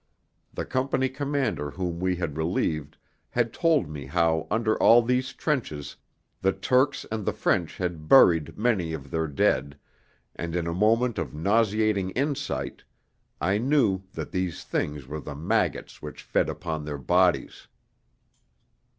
The company commander whom we had relieved had told me how under all these trenches the Turks and the French had buried many of their dead, and in a moment of nauseating insight I knew that these things were the maggots which fed upon their bodies.